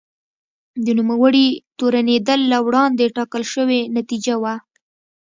د نوموړي تورنېدل له وړاندې ټاکل شوې نتیجه وه.